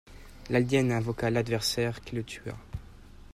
L’alien invoqua l’Adversaire, qui le tua.